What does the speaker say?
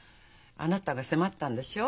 あなたが迫ったんでしょ？